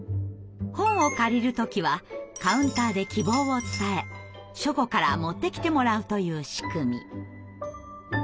本を借りる時はカウンターで希望を伝え書庫から持ってきてもらうという仕組み。